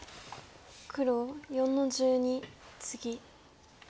黒４の十二ツギ。